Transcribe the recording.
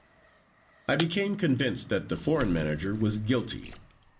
I became convinced that the foreign manager was guilty.